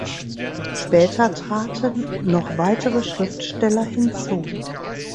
Später traten noch weitere Schriftsteller hinzu.